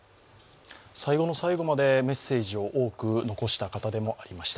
最後の最後までメッセージを多く残した方でもありました。